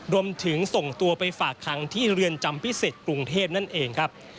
รวมถึงส่งตัวไปฝากคังที่เรือนจำพิเศษกรุงเทพนั่นเองครับ